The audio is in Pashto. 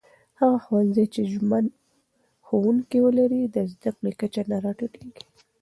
هغه ښوونځي چې ژمن ښوونکي ولري، د زده کړې کچه نه راټيټېږي.